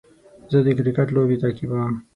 زه د کرکټ لوبې تعقیبوم.